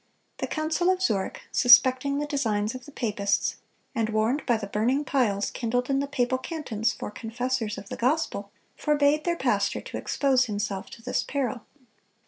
The Council of Zurich, suspecting the designs of the papists, and warned by the burning piles kindled in the papal cantons for confessors of the gospel, forbade their pastor to expose himself to this peril.